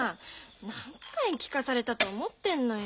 何回聞かされたと思ってんのよ。